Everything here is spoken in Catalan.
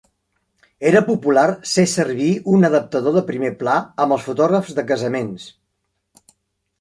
Era popular ser servir un adaptador de primer pla amb els fotògrafs de casaments.